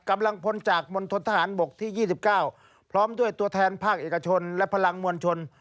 กำลังพลจากมณฑนทหารบกที่๒๙พร้อมด้วยตัวแทนภาคเอกชนและพลังมวลชน